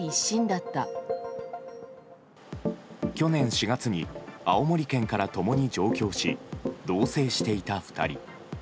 去年４月に青森県から共に上京し同棲していた２人。